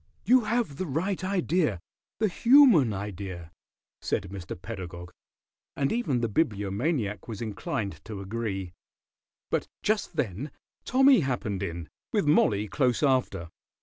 "You have the right idea, the human idea," said Mr. Pedagog, and even the Bibliomaniac was inclined to agree. But just then Tommy happened in, with Mollie close after.